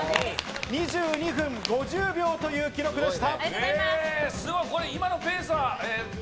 ２２分５０秒という記録でした。